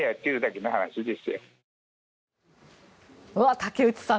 竹内さん